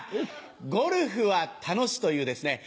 『ゴルフは楽し』というですね